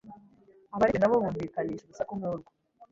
abari kure na bo bumvikanisha urusaku nk'urwo